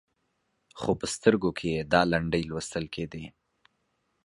خو په سترګو کې یې دا لنډۍ لوستل کېدې.